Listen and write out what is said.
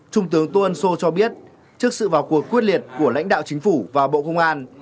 trung tướng tô ân sô cho biết trước sự vào cuộc quyết liệt của lãnh đạo chính phủ và bộ công an